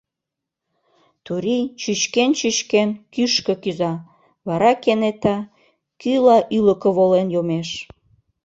Турий, чӱчкен-чӱчкен, кӱшкӧ кӱза, вара кенета кӱла ӱлыкӧ волен йомеш.